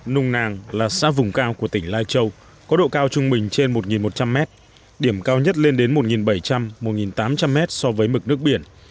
nung nàng là xã vùng cao của tỉnh lai châu có độ cao trung bình trên một một trăm linh mét điểm cao nhất lên đến một bảy trăm linh một tám trăm linh m so với mực nước biển